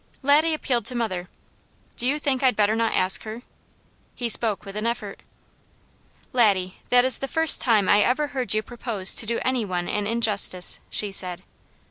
Laddie appealed to mother: "Do you think I'd better not ask her?" He spoke with an effort. "Laddie, that is the first time I ever heard you propose to do any one an injustice," she said.